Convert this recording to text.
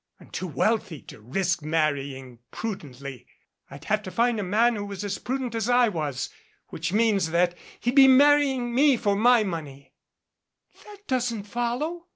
I'm too wealthy to risk marrying prudently. I'd have to find a man who was as prudent as I was, which means that he'd be marrying me for my money "That doesn't follow.